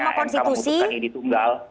makam konstitusi memutuskan idi tunggal